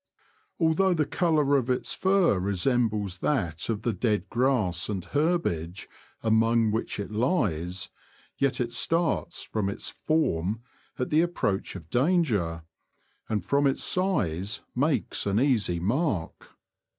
Although the colour of its fur re sembles that of the dead grass and herbage among which it lies, yet it starts from its *' form " at the approach of danger, and from its size makes an easy mark.